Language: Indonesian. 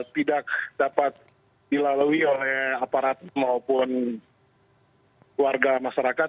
tidak dapat dilalui oleh aparat maupun warga masyarakat